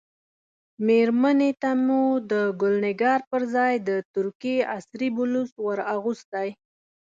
مېرمنې ته مو د ګل نګار پر ځای د ترکیې عصري بلوز ور اغوستی.